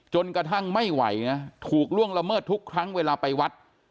ไม่ไหวนะถูกล่วงละเมิดทุกครั้งเวลาไปวัด